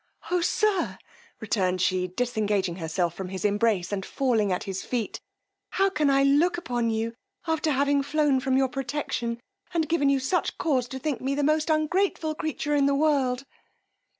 Oh! sir, returned she disengaging herself from his embrace, and falling at his feet! How can I look upon you after having flown from your protection, and given you such cause to think me the most ungrateful creature in the world!